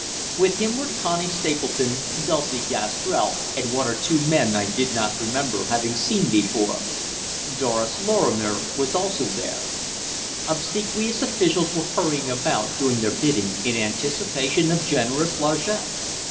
With him were Connie Stapleton, Dulcie, Gastrell, and one or two men I did not remember having seen before. Doris Lorrimer was also there. Obsequious officials were hurrying about doing their bidding, in anticipation of generous largesse.